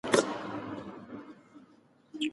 دا کتاب د انسان د ذهني پراختیا لپاره یو مهم ګام دی.